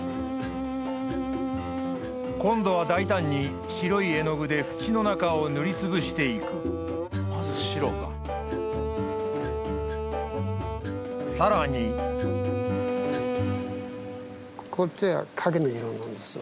今度は大胆に白い絵の具で縁の中を塗りつぶして行くこっちは影の色なんですわ。